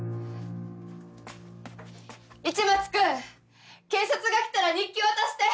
市松君警察が来たら日記渡して。